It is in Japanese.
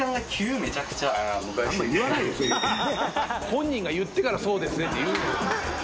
本人が言ってからそうですねって言うのよ。